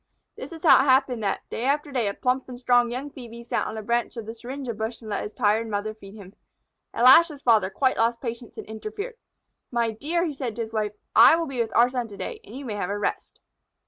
This is how it happened that, day after day, a plump and strong young Phœbe sat on a branch of the syringa bush and let his tired mother feed him. At last his father quite lost patience and interfered. "My dear," he said to his wife, "I will be with our son to day, and you may have a rest."